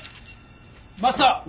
マスター。